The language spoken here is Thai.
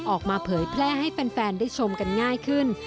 เผยแพร่ให้แฟนได้ชมกันง่ายขึ้น